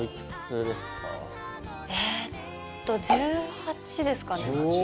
えっと１８ですかね。